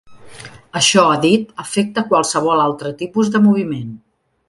Això, ha dit, afecta qualsevol altre tipus de moviment.